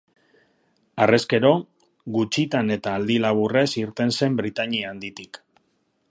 Harrezkero, gutxitan eta aldi laburrez irten zen Britainia Handitik.